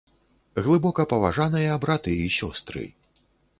Глыбокапаважаныя браты і сёстры!